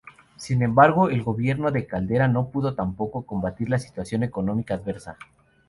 Sin embargo, el gobierno de Caldera no pudo tampoco combatir la situación económica adversa.